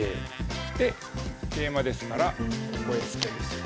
で桂馬ですからここへ捨てる。